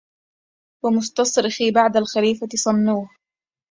ومستصرخي بعد الخليفة صنوه